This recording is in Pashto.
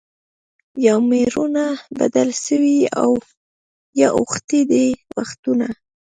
یا مېړونه بدل سوي یا اوښتي دي وختونه